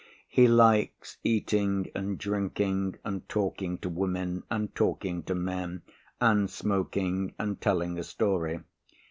He likes eating and drinking and talking to women and talking to men and smoking and telling a story.